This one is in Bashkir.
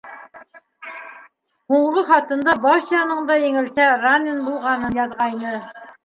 Һуңғы хатында Васяның да еңелсә ранен булғанын яҙғайны.